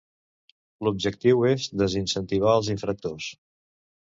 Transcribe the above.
L'objectiu és desincentivar els infractors